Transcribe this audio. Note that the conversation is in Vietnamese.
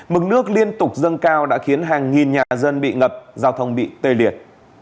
mực nước liên tục dâng cao đã khiến hàng nghìn nhà dân bị ngập giao thông bị tê liệt